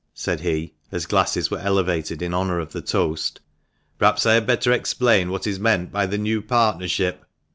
said he, as glasses were elevated in honour of the toast ; perhaps I had better explain what is meant by the new partnership."